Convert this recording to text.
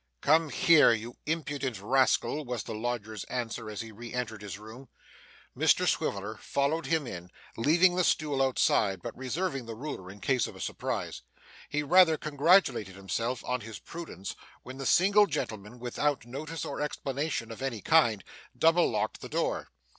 'Come here, you impudent rascal!' was the lodger's answer as he re entered his room. Mr Swiveller followed him in, leaving the stool outside, but reserving the ruler in case of a surprise. He rather congratulated himself on his prudence when the single gentleman, without notice or explanation of any kind, double locked the door.